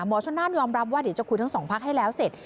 ชนนานยอมรับว่าเดี๋ยวจะคุยทั้งสองพักให้แล้วเสร็จ